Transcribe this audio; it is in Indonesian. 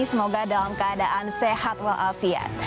semoga dalam keadaan sehat walafiat